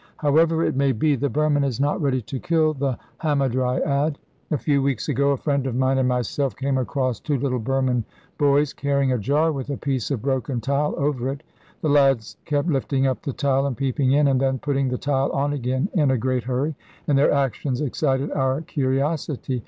However it may be, the Burman is not ready to kill the hamadryad. A few weeks ago a friend of mine and myself came across two little Burman boys carrying a jar with a piece of broken tile over it. The lads kept lifting up the tile and peeping in, and then putting the tile on again in a great hurry, and their actions excited our curiosity.